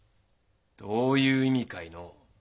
どういう意味かいの？